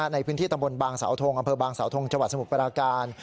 ในพื้นที่ตำบลบางสาวทงอำเภอบางสาวทงจังหวัดสมุทรปราการ